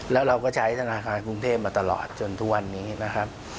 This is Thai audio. แล้วเราก็ใช้ธนาคารกรุงเทพมาตลอดจนทุกวันนี้นะครับ